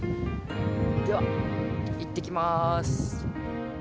では行ってきます。